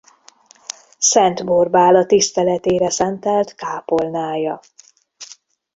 Szent Borbála tiszteletére szentelt kápolnája.